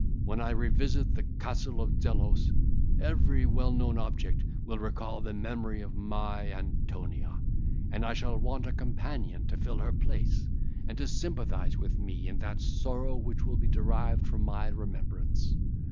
When I revisit the Castle of Zelos, every well known object will recall the memory of my Antonia, and I shall want a companion to fill her place, and to sympathise with me in that sorrow which will be derived from my remembrance.